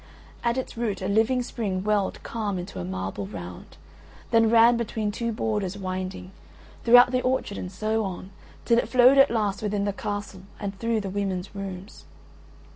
At its root a living spring welled calm into a marble round, then ran between two borders winding, throughout the orchard and so, on, till it flowed at last within the castle and through the women's rooms.